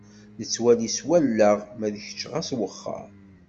Nettwali s wallaɣ, ma d kečč ɣas wexxeṛ.